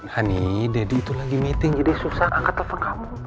hani deddy itu lagi meeting jadi susah angkat apa kamu